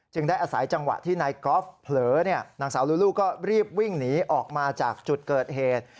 ได้อาศัยจังหวะที่นายกอล์ฟเผลอนางสาวลูลูก็รีบวิ่งหนีออกมาจากจุดเกิดเหตุ